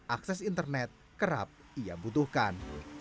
akses internet kerap ia butuhkan